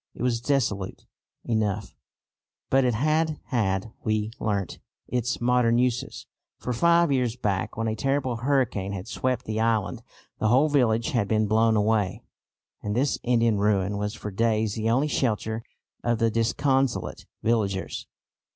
It was desolate enough, but it had had, we learnt, its modern uses; for five years back when a terrible hurricane had swept the island the whole village had been blown away, and this Indian ruin was for days the only shelter of the disconsolate villagers.